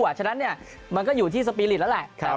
ฉะนั้นมันก็อยู่ที่สปีริตแล้วแหละ